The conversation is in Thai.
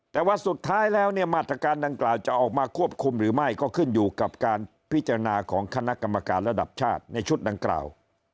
แต่ว่าสุดท้ายแล้วเนี่ยมาตรการดังกล่าวจะออกมาควบคุมหรือไม่ก็ขึ้นอยู่กับการพิจารณาของคณะกรรมการระดับชาติในชุดดังกล่าว